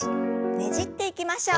ねじっていきましょう。